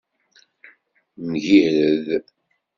Mgirred.